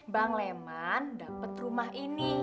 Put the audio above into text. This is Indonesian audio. bang leman dapat rumah ini